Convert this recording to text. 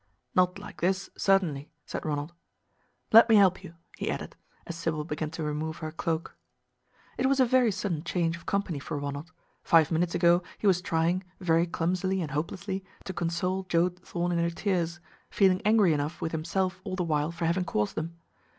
"Not like this, certainly," said Ronald. "Let me help you," he added, as Sybil began to remove her cloak. It was a very sudden change of company for Ronald; five minutes ago he was trying, very clumsily and hopelessly, to console Joe Thorn in her tears, feeling angry enough with himself all the while for having caused them.